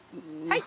はい。